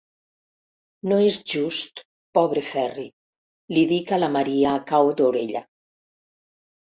No és just, pobre Ferri –li dic a la Maria a cau d'orella–.